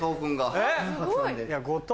はい。